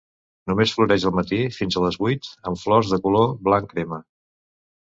Només floreix al matí, fins a les vuit, amb flors de color blanc crema.